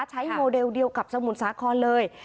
โมเดลเดียวกับสมุทรสาครเลย